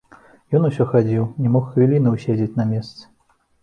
Ён усё хадзіў, не мог хвіліны ўседзець на месцы.